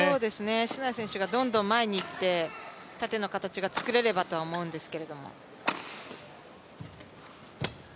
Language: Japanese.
篠谷選手がどんどん前にいって、縦の形が作れればとは思いますが。